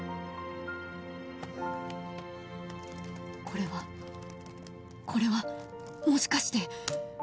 これは、これはもしかして。